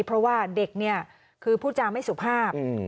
เพราะว่าเด็กเนี่ยคือพูดจาไม่สุภาพ